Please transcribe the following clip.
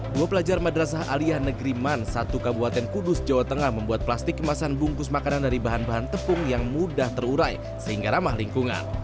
dua pelajar madrasah aliyah negeri man satu kabupaten kudus jawa tengah membuat plastik kemasan bungkus makanan dari bahan bahan tepung yang mudah terurai sehingga ramah lingkungan